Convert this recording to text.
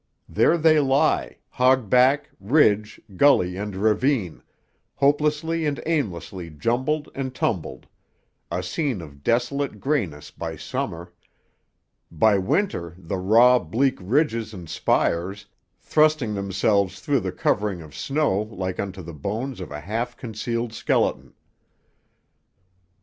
There they lie, hog back, ridge, gully and ravine, hopelessly and aimlessly jumbled and tumbled, a scene of desolate greyness by Summer; by Winter the raw, bleak ridges and spires, thrusting themselves through the covering of snow like unto the bones of a half concealed skeleton.